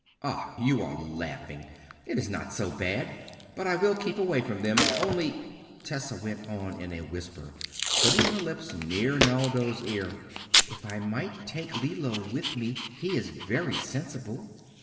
Ah! you are laughing; it is not so bad. But I will keep away from them. Only," Tessa went on in a whisper, putting her lips near Naldo's ear, "if I might take Lillo with me! He is very sensible."